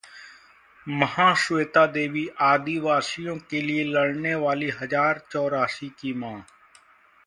महाश्वेता देवीः आदिवासियों के लिए लड़ने वाली 'हजार चौरासी की मां'